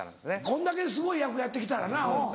こんだけすごい役やって来たらなうん。